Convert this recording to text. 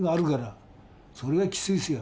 それはきついですよ